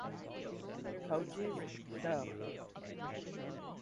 Coaches show